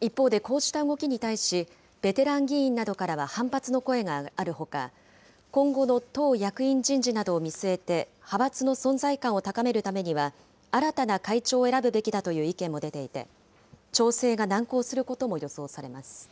一方で、こうした動きに対し、ベテラン議員などからは反発の声があるほか、今後の党役員人事などを見据えて、派閥の存在感を高めるためには、新たな会長を選ぶべきだという意見も出ていて、調整が難航することも予想されます。